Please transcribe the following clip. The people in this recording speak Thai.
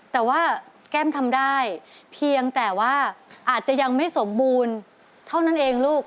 แต่ว่าแก้มทำได้เพียงแต่ว่าอาจจะยังไม่สมบูรณ์เท่านั้นเองลูก